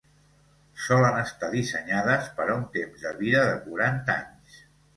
Solen estar dissenyades per a un temps de vida de quaranta anys.